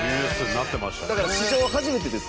だから、史上初めてです。